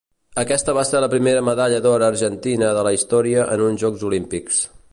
Aquesta va ser la primera medalla d'or argentina de la història en uns Jocs Olímpics.